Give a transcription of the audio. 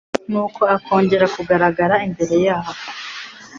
nuko akongera kugaragara imbere yabo.